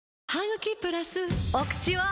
お口は！